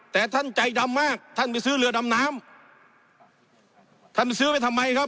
แต่ท่านใจดำมากท่านไปซื้อเรือดำน้ำท่านซื้อไปทำไมครับ